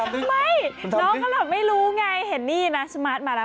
ไม่น้องก็แบบไม่รู้ไงเห็นนี่นะสมาร์ทมาแล้ว